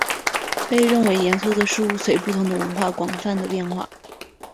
被认为严肃的事物随不同的文化广泛地变化。